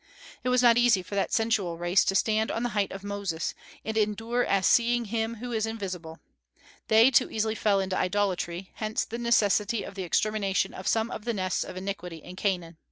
It was not easy for that sensual race to stand on the height of Moses, and "endure as seeing him who is invisible." They too easily fell into idolatry; hence the necessity of the extermination of some of the nests of iniquity in Canaan.